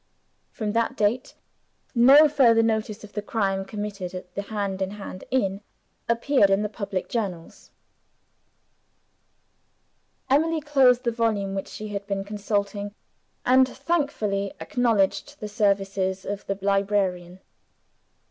From that date, no further notice of the crime committed at the Hand in Hand inn appeared in the public journals. ........ Emily closed the volume which she had been consulting, and thankfully acknowledged the services of the librarian.